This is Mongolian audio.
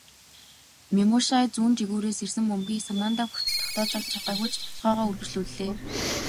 Мемушай зүүн жигүүрээс ирсэн бөмбөгийг санаандаа хүртэл тогтоож авч чадаагүй ч довтолгоогоо үргэлжлүүллээ.